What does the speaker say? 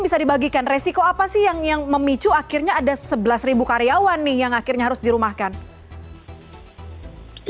terkait pengembangan terhadap metaverse yang mungkin by assessor sebagian orang memiliki behaviornya untuk berchoc constitution terkait pendirian glass shurka tersebut